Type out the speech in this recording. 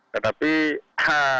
tetapi sebelum ini sudah ada ini